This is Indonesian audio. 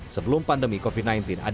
sebelum pandemi covid sembilan belas